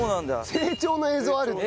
成長の映像あるって。